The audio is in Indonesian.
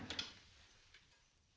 sabar bu sumi sabar